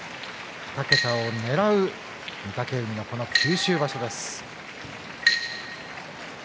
２桁をねらう御嶽海のこの九州場所です。